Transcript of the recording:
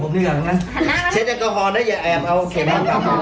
เสร็จอัพกอฮอล์ผมต่อลองใจเลยนะ